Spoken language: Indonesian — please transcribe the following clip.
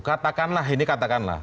katakanlah ini katakanlah